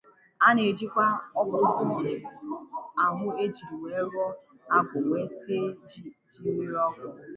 A na-ejikwa ọkụkọ ahụ e jiri wee rụọ agwụ wee sie ji mmiri ọkụ